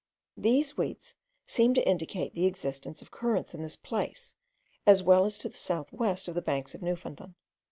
These weeds seem to indicate the existence of currents in this place, as well as to south west of the banks of Newfoundland.